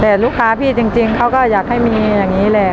แต่ลูกค้าพี่จริงเขาก็อยากให้มีอย่างนี้แหละ